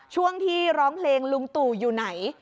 ช่วงที่ร้องเพลงลุงตู่อยู่ไหน